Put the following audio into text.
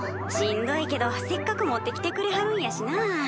しんどいけどせっかく持ってきてくれはるんやしな。